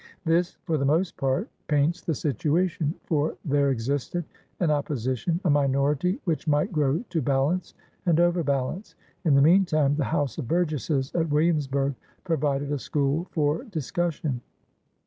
This for the most part paints the situation, for there existed an opposition, a minority, which might grow to balance, and overbalance. In the mean time the House of Burgesses at Williamsburg provided a School for Discussion.